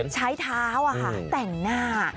ใช้เท้าแต่งหน้า